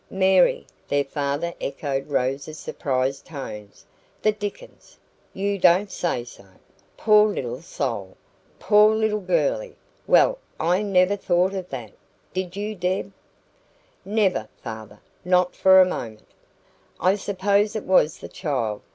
"MARY!" their father echoed Rose's surprised tone. "The dickens! You don't say so. Poor little soul! Poor little girlie! Well, I never thought of that. Did you, Deb?" "Never, father. Not for a moment." "I suppose it was the child.